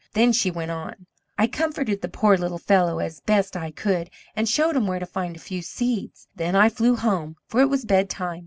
Then she went on: "I comforted the poor little fellow as best I could, and showed him where to find a few seeds; then I flew home, for it was bedtime.